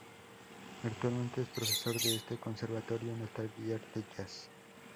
Actualmente es profesor de este conservatorio en el Taller de Jazz.